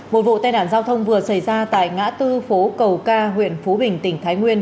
một vụ tai nạn giao thông vừa xảy ra tại ngã tư phố cầu ca huyện phú bình tỉnh thái nguyên